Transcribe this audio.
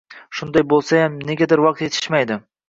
Shunday bo‘lsayam, negadir vaqt yetishmaydi.